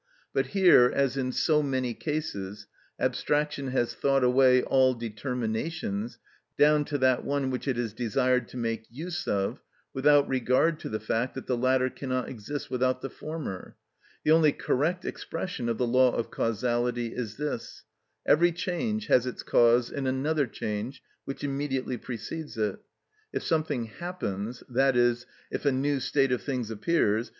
But here, as in so many cases, abstraction has thought away all determinations down to that one which it is desired to make use of without regard to the fact that the latter cannot exist without the former. The only correct expression of the law of causality is this: Every change has its cause in another change which immediately precedes it. If something happens, i.e., if a new state of things appears, _i.